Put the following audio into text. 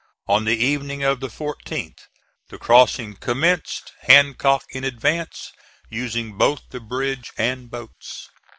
On the evening of the 14th the crossing commenced, Hancock in advance, using both the bridge and boats.